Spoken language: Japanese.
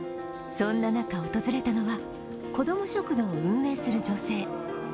そんな中、訪れたのは子ども食堂を運営する女性。